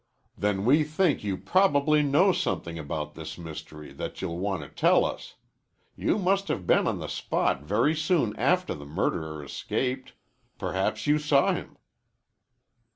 "Then we think you probably know something about this mystery that you'll want to tell us. You must have been on the spot very soon after the murderer escaped. Perhaps you saw him."